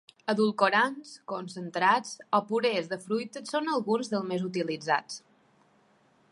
Edulcorants, concentrats o purés de fruites són alguns dels més utilitzats.